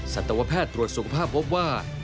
สัตวแพทย์ตรวจสุขภาพพบว่า